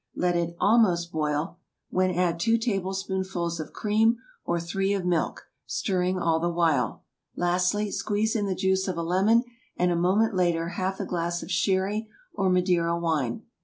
Let it almost boil, when add two tablespoonfuls of cream, or three of milk, stirring all the while. Lastly, squeeze in the juice of a lemon, and a moment later half a glass of Sherry or Madeira wine.